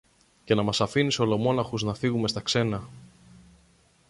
Και να μας αφήνεις ολομόναχους να φύγομε στα ξένα!